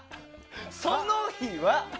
その日は！